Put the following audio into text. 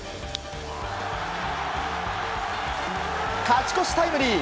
勝ち越しタイムリー！